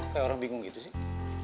kayak orang bingung gitu sih